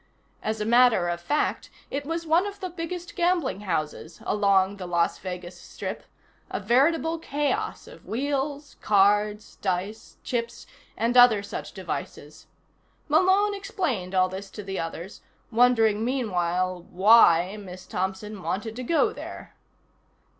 As a matter of fact, it was one of the biggest gambling houses along the Las Vegas strip, a veritable chaos of wheels, cards, dice, chips and other such devices. Malone explained all this to the others, wondering meanwhile why Miss Thompson wanted to go there.